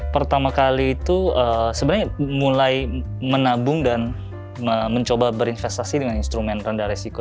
pertama kali itu sebenarnya mulai menabung dan mencoba berinvestasi dengan instrumen rendah resiko